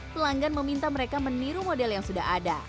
pelanggan meminta mereka meniru model yang sudah ada